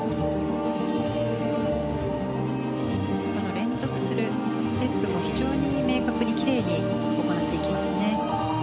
連続するステップも非常に明確にきれいに行っていきますね。